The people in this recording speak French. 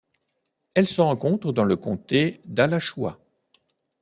Elle se rencontre dans le Comté d'Alachua.